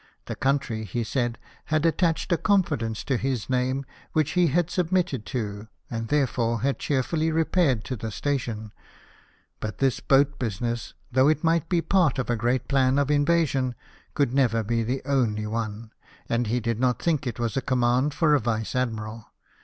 The country, he said, had attached a confidence to his name, which he had submitted to, and therefore had cheerfully repaired to the station ; but this boat business, thougli it might be part of a great plan of invasion, could never be the only one, and he did not think it was a command for a Vice Admiral.